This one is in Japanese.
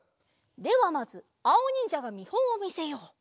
ではまずあおにんじゃがみほんをみせよう。